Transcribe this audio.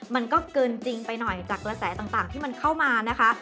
มันก็เกินจริงไปหน่อยจากกระแสต่างที่มันเข้ามานะคะ